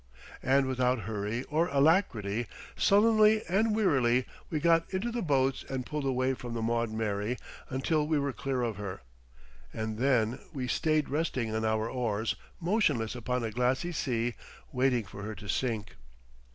And without hurry or alacrity, sullenly and wearily we got into the boats and pulled away from the Maud Mary until we were clear of her, and then we stayed resting on our oars, motionless upon a glassy sea, waiting for her to sink.